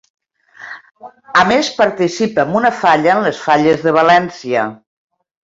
A més, participa amb una falla en les Falles de València.